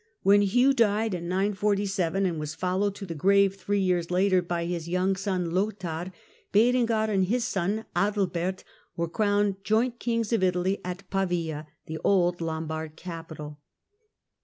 When Hugh died in 947, and was followed to the grave three years later by his young son, Lothair, Berengar and his son Adalbert were crowned joint kings of Italy at Pavia, the old Lombard capital.